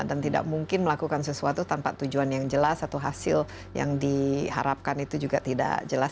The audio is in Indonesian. dan tidak mungkin melakukan sesuatu tanpa tujuan yang jelas atau hasil yang diharapkan itu juga tidak jelas